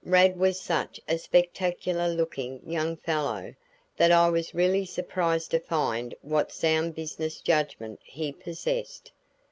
Rad was such a spectacular looking young fellow that I was really surprised to find what sound business judgment he possessed.